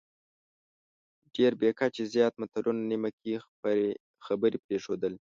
ډېر بې کچې زیات متلونه، نیمه کې خبرې پرېښودل،